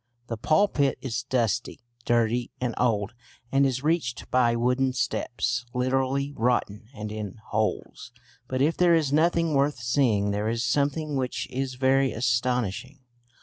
The pulpit is dusty, dirty and old, and is reached by wooden steps literally rotten and in holes. But if there is nothing worth seeing there is something which is very astonishing.